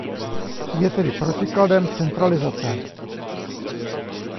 Je tedy protikladem centralizace.